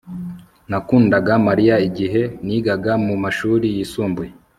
Nakundaga Mariya igihe nigaga mu mashuri yisumbuye